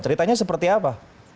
ceritanya seperti apa